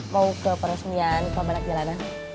mau ke peresmian ke bandang jalanan